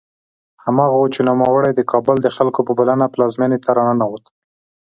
هماغه و چې نوموړی د کابل د خلکو په بلنه پلازمېنې ته راننوت.